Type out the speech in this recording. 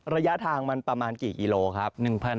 ระยะทางมันประมาณกี่กิโลครับ